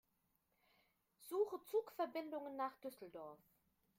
Suche Zugverbindungen nach Düsseldorf.